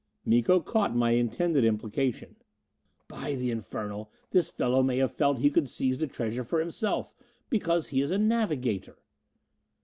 Miko caught my intended implication. "By the infernal, this fellow may have felt he could seize the treasure for himself! Because he is a navigator!"